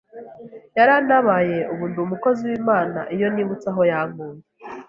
Yarantabaye ubu ndi umukozi w’Imana, iyo nibutse aho yankuye,